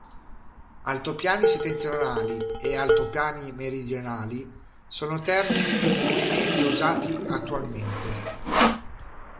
Altopiani settentrionali e Altopiani meridionali sono termini più comunemente usati attualmente.